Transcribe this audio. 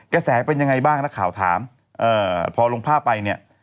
แก่แสวเป็นยังไงบ้างอะถ้าข่าวถามเอ่อพอลงภาพไปเนี้ย